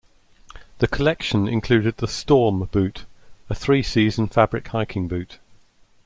The collection included the "Storm" boot, a three-season fabric hiking boot.